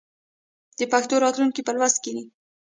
د پښتو راتلونکی په لوست کې دی.